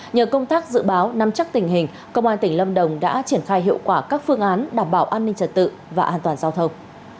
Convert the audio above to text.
nhờ công tác dự báo nắm chắc tình hình công an tỉnh lâm đồng đã triển khai hiệu quả các phương án đảm bảo an ninh trật tự và an toàn giao thông